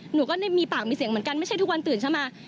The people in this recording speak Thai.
หนูก็มีปากมีเสียงเหมือนกันไม่ใช่ทุกวันตื่นเช้ามา